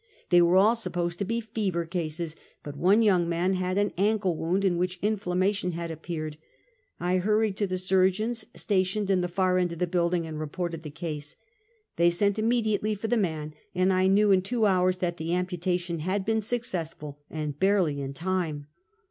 Thej were all sup posed to be fever cases, but one young man had an ankle wound, in which inflammation had appeared. I hurried to the surgeons, stationed in the far end of the building, and reported the case. They sent immedi ately for the man, and I knew in two hours tliat the amputation had been successful, and barely in time.